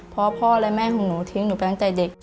เพราะพ่อและแม่ของหนูทิ้งหนูไปตั้งแต่เด็ก